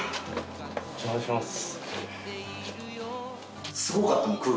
お邪魔します。